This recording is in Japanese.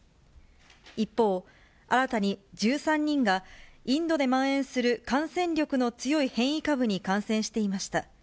一方、新たに１３人が、インドでまん延する感染力の強い変異株に感染していました。